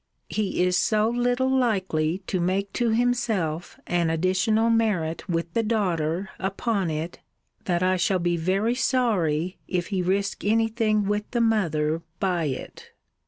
He is so little likely to make to himself an additional merit with the daughter upon it, that I shall be very sorry, if he risk any thing with the mother by it.